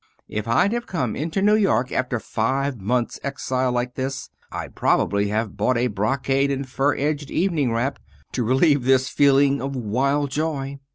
If I'd have come into New York after five months' exile like this I'd probably have bought a brocade and fur edged evening wrap, to relieve this feeling of wild joy.